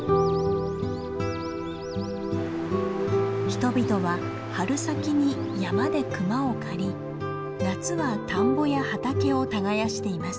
人々は春先に山で熊を狩り夏は田んぼや畑を耕しています。